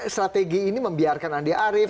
strategi ini membiarkan andi arief